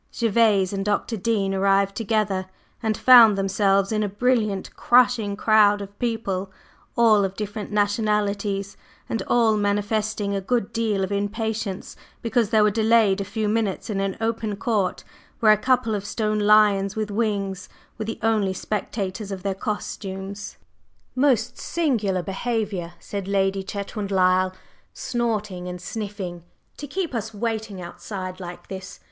Gervase and Dr. Dean arrived together, and found themselves in a brilliant, crushing crowd of people, all of different nationalities and all manifesting a good deal of impatience because they were delayed a few minutes in an open court, where a couple of stone lions with wings were the only spectators of their costumes. "Most singular behavior!" said Lady Chetwynd Lyle, snorting and sniffing, "to keep us waiting outside like this!